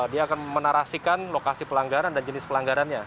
dia akan menarasikan lokasi pelanggaran dan jenis pelanggarannya